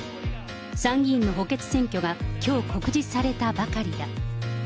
参議院の補欠選挙がきょう告示されたばかりだ。